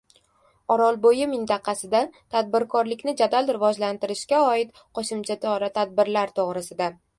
Orolbo‘yi mintaqasida tadbirkorlikni jadal rivojlantirishga oid qo‘shimcha chora-tadbirlar to‘g‘risida